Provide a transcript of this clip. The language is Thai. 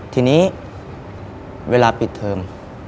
ทีนี้เวลาปิดเทอม